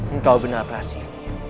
engkau benarkah sih